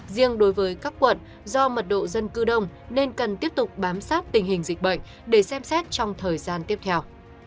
riêng đối với các quận do mật độ dân cư đông nên cần tiếp tục bám sát tình hình dịch bệnh để xem xét trong thời gian tiếp theo